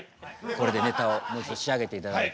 これでネタを仕上げていただいて。